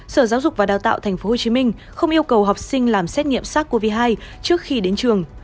sở giáo dục và đào tạo tp hcm không yêu cầu học sinh làm xét nghiệm sars cov hai trước khi đến trường